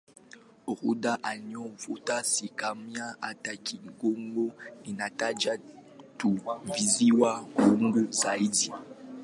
Orodha inayofuata si kamili hata kidogo; inataja tu visiwa muhimu zaidi.